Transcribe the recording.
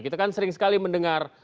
kita kan sering sekali mendengar